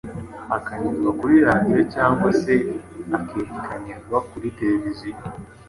akanyuzwa kuri radiyo cyangwa se akerekanirwa kuri tereviziyo.